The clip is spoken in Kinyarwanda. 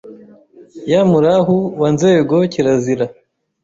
Ya Murahu wa Nzengo kirazira